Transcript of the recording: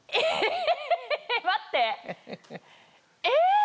え！